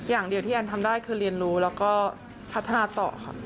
อย่างเดียวที่แอนทำได้คือเรียนรู้แล้วก็พัฒนาต่อค่ะ